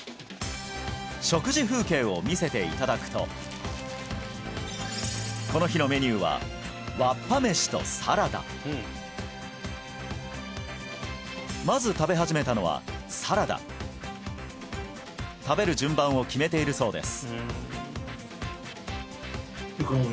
食事風景を見せていただくとこの日のメニューはわっぱ飯とサラダまず食べ始めたのはサラダ食べる順番を決めているそうです